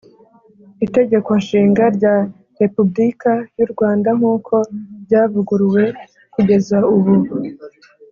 itegeko nshinga rya republika y’u rwanda nkuko ryavuguruwe kugeza ubu,